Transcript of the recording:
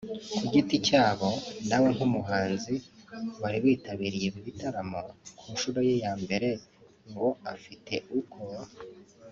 ku giti cyabo nawe nk’umuhanzi wari witabiriye ibi bitaramo ku nshuro ye ya mbere ngo afite uko